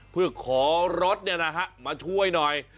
เพื่อขอรถมาช่วยหน่อย